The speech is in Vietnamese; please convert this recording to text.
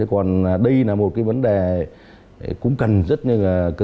còn đây là một vấn đề cũng cần rất nhiều